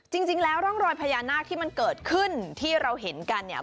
จริงแล้วร่องรอยพญานาคที่มันเกิดขึ้นที่เราเห็นกันเนี่ย